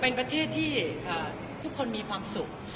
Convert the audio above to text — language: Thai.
เป็นประเทศที่ทุกคนมีความสุข